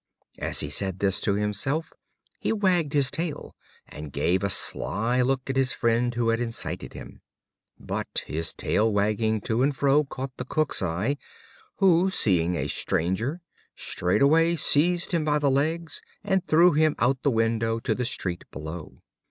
As he said this to himself, he wagged his tail, and gave a sly look at his friend who had incited him. But his tail wagging to and fro caught the cook's eye, who, seeing a stranger, straightway seized him by the legs, and threw him out the window to the street below.